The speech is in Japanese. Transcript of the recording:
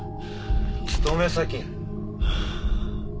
勤め先！